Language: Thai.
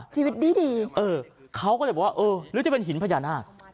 ชีวิตดีเออเขาก็เลยบอกว่าเออหรือจะเป็นหินพญานาค